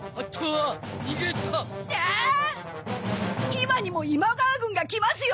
今にも今川軍が来ますよ？